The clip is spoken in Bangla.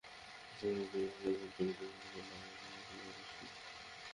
ছোটো্টু, তুই বল তোরা ভুল করেছিস নাকি করিসনি?